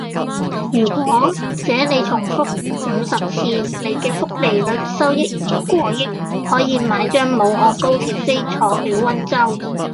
如是這你重複五十次，你既複利率收益已過億，可以買張武漢高鐵飛坐去溫州